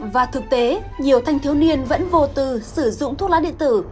và thực tế nhiều thanh thiếu niên vẫn vô tư sử dụng thuốc lá điện tử